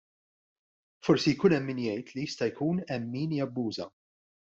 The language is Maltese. Forsi jkun hemm min jgħid li jista' jkun hemm min jabbuża.